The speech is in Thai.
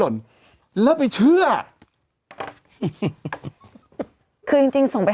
แต่หนูจะเอากับน้องเขามาแต่ว่า